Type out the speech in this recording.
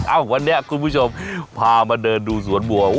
วันนี้คุณผู้ชมพามาเดินดูสวนบัว